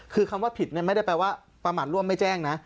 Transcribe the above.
คือคำว่าผิดไม่ได้แปลว่าประมาทร่วมไม่แจ้งนะ